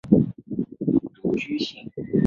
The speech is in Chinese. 独居性。